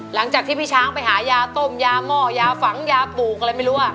หลังจากที่พี่ช้างไปหายาต้มยาหม้อยาฝังยาปลูกอะไรไม่รู้